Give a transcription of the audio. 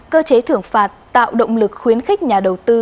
cơ chế thưởng phạt tạo động lực khuyến khích nhà đầu tư